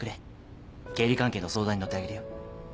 経理関係の相談に乗ってあげるよ。